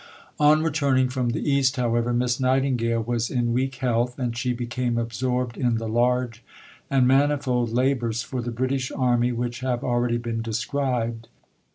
On returning from the East, however, Miss Nightingale was in weak health, and she became absorbed in the large and manifold labours for the British Army which have already been described.